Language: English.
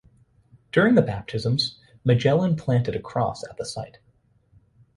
During the baptisms, Magellan planted a cross at the site.